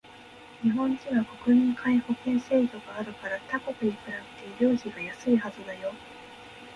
日本人は国民皆保険制度があるから他国に比べて医療費がやすいはずだよ